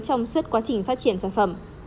trong suốt quá trình phát triển sản phẩm